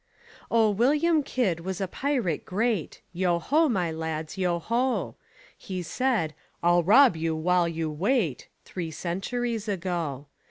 Oh, William Kidd was a pirate great, Yo ho, my lads, yo ho! He said: "I'll rob you while you wait" Three centuries ago.